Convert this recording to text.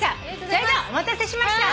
それではお待たせしました。